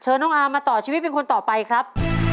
น้องอามมาต่อชีวิตเป็นคนต่อไปครับ